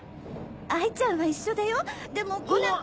哀ちゃんは一緒だよでもコナン。